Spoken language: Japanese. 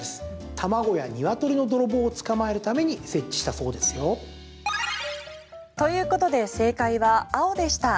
卵やニワトリの泥棒を捕まえるために設置したそうですよ。ということで正解は青でした。